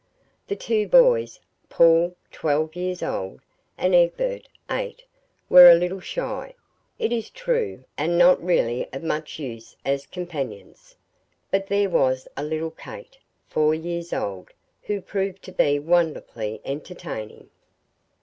The two boys, Paul, twelve years old, and Egbert, eight, were a little shy, it is true, and not really of much use as companions; but there was a little Kate, four years old, who proved to be wonderfully entertaining.